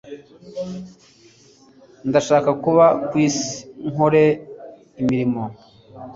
Ndashaka kuba kwisi nkore imirimo